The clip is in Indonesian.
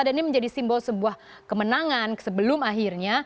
dan ini menjadi simbol sebuah kemenangan sebelum akhirnya